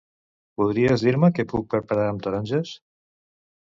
Podries dir-me què puc preparar amb taronges?